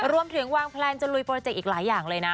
รวมถึงวางแพลนจะลุยโปรเจกต์อีกหลายอย่างเลยนะ